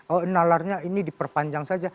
oh nalarnya ini diperpanjang saja